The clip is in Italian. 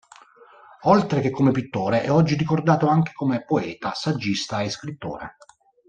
Oltre che come pittore, è oggi ricordato anche come poeta, saggista e scrittore.